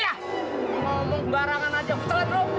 woyah ngomong barangan aja betulan lu